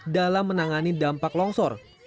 dalam menangani dampak longsor